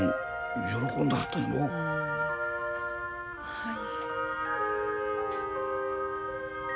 はい。